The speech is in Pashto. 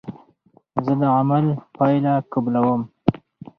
زه د عمل پایله قبلوم.